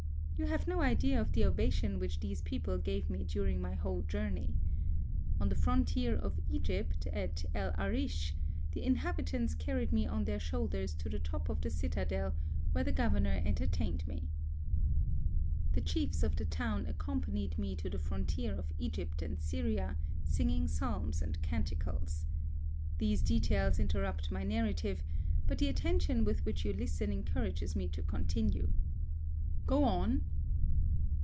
You have no idea of the ovation which these people gave me during my whole journey. On the fron tier of Egypt, at El Arish, the inhabitants carried me on their shoulders to the top THE SUEZ CANAL. 69 of the citadel, where the governor enter tained me. The chiefs of the town accompanied me to the frontier of Egjrpt and Syria, singing psahns and canticles. These details inter rupt my narrative, but the attention with which you listen encourages me to continue. (Go on.)